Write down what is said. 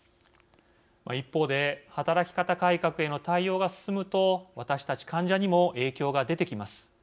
一方で働き方改革への対応が進むと私たち患者にも影響が出てきます。